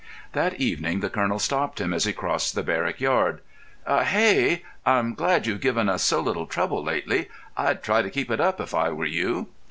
That evening the colonel stopped him as he crossed the barrack yard. "Ah, Hey!... I'm glad you've given us so little trouble lately. I'd try to keep it up if I were you."